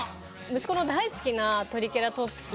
息子の大好きなトリケラトプス